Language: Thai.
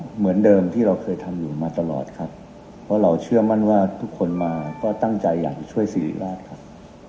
เหมือนเดิมที่เราเคยทำอยู่มาตลอดครับเพราะเราเชื่อมั่นว่าทุกคนมาก็ตั้งใจอยากจะช่วยสิริราชครับ